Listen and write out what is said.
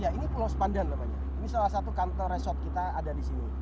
ya ini pulau sepandan namanya ini salah satu kantor resort kita ada di sini